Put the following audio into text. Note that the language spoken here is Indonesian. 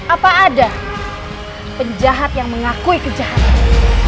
apa ada penjahat yang mengakui kejahatan